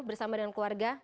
bersama dengan keluarga